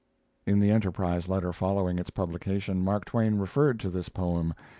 In the Enterprise letter following its publication Mark Twain referred to this poem.